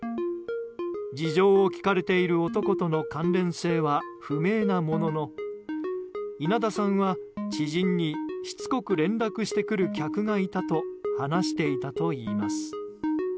事情を聴かれている男との関連性は不明なものの稲田さんは、知人にしつこく連絡してくる客がいたと話していたといいます。